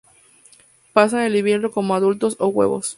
Pasan el invierno como adultos o huevos.